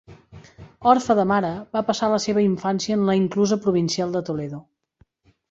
Orfe de mare, va passar la seva infància en la inclusa provincial de Toledo.